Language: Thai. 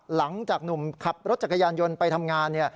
หลังจากหนุ่มขับรถจักรยานยนต์ไปทำงาน